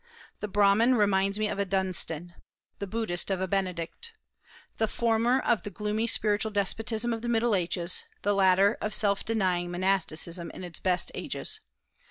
The Brahman reminds me of a Dunstan, the Buddhist of a Benedict; the former of the gloomy, spiritual despotism of the Middle Ages, the latter of self denying monasticism in its best ages.